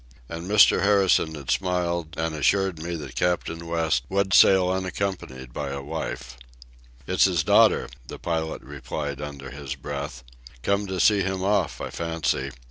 And Mr. Harrison had smiled and assured me that Captain West would sail unaccompanied by a wife. "It's his daughter," the pilot replied under his breath. "Come to see him off, I fancy.